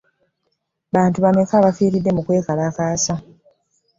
Bantu bameka abafiride mu kwekalakaasa?